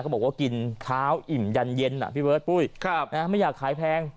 บอกว่ากินข้าวอิ่มยันเย็นพี่เบิร์ตปุ้ยไม่อยากขายแพง